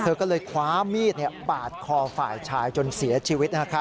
เธอก็เลยคว้ามีดปาดคอฝ่ายชายจนเสียชีวิต